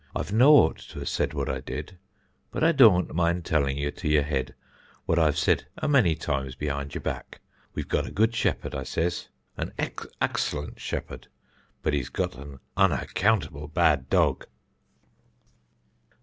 I'd no ought to have said what I did, but I dōānt mind telling you to your head what I've said a many times behind your back. We've got a good shepherd, I says, an axcellent shepherd, but he's got an unaccountable bad dog!"